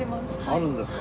あるんですか。